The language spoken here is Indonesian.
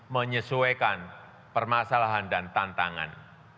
menyesuaikan permasalahan dan tantangan